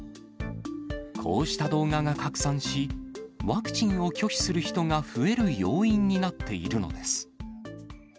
こうした動画が拡散し、ワクチンを拒否する人が増える要因になっているのです。